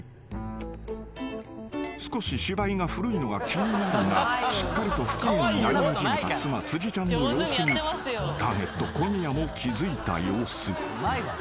［少し芝居が古いのが気になるがしっかりと不機嫌になり始めた妻辻ちゃんの様子にターゲット小宮も気付いた様子］